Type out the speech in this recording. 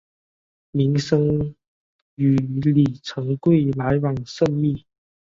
明升与李成桂来往甚密。